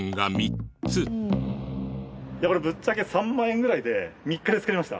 これぶっちゃけ３万円ぐらいで３日で作りました。